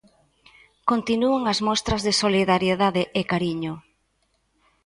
Continúan as mostras de solidariedade e cariño.